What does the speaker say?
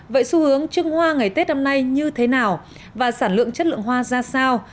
vậy xu hướng trưng hoa ngày tết năm nay như thế nào và sản lượng chất lượng hoa ra sao